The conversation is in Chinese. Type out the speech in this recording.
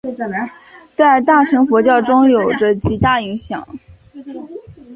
在大乘佛教中有着极大影响。